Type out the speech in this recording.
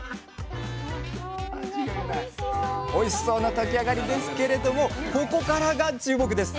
おいしそうな炊き上がりですけれどもここからが注目です！